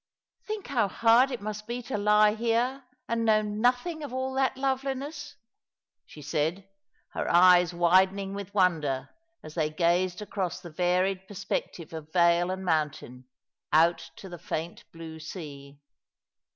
^ 225 " Think how hard it must be to lie here and know nothing of all that loveliness," she said, her eyes widening with wonder as they gazed across the varied perspective of vale and mountain, out to the faint blue sea.